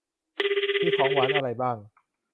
มีของหวานอะไรบ้าง